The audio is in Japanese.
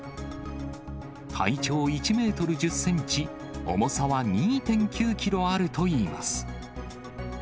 体長１メートル１０センチ、重さは２．９キロあるといいます。